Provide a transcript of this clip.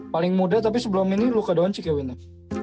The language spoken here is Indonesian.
paling muda tapi sebelum ini lu ke down chic ya winner